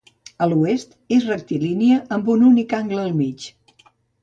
A l'oest, és rectilínia amb un únic angle al mig.